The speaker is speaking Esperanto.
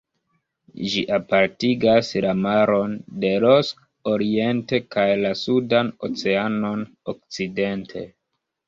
Ĝi apartigas la maron de Ross oriente kaj la Sudan Oceanon okcidente.